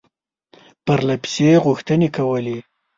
پرله پسې غوښتني کولې.